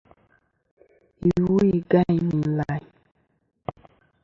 Iwo-i gayn meyn layn.